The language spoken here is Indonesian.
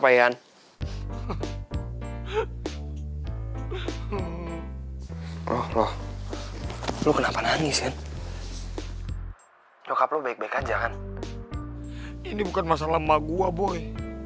apa yan oh loh lu kenapa nangis ya hai coklat baik baik aja kan ini bukan masalah ma gue boy